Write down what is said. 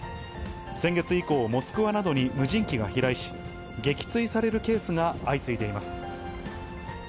先月以降、モスクワなどに無人機が飛来し、撃墜されるケースが相次いでいます。